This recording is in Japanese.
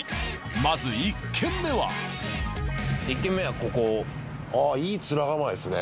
まず１軒目はああいい面構えですね